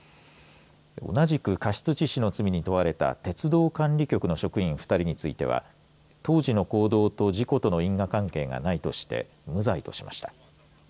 同じく過失致死の罪に問われた鉄道管理局の職員２人については当時の行動と事故との因果関係がないとして無罪としました。